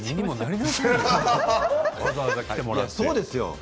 そうですよ。